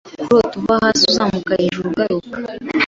Kurota uva hasi ukazamuka hejuru uguruka